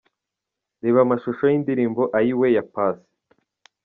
Reba amashusho y'indirimbo 'Ayiwe' ya Paccy.